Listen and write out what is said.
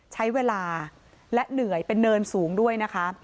ใช้เวลาและเหนื่อยเป็นเนินสูงด้วยนะคะ